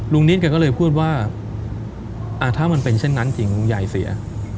ลุงนิดกันก็เลยพูดว่าอ่าถ้ามันเป็นเช่นนั้นจริงลุงใหญ่เสีย